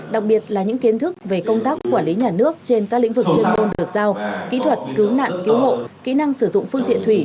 đặc biệt là những kiến thức về công tác quản lý nhà nước trên các lĩnh vực chuyên môn được giao kỹ thuật cứu nạn cứu hộ kỹ năng sử dụng phương tiện thủy